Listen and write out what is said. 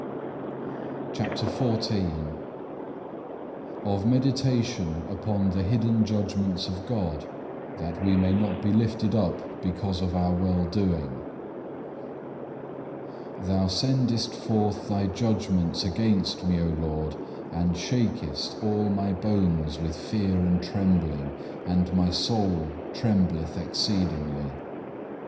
CHAPTER XIV Of meditation upon the hidden judgments of God, that we may not be lifted up because of our well doing Thou sendest forth Thy judgments against me, O Lord, and shakest all my bones with fear and trembling, and my soul trembleth exceedingly.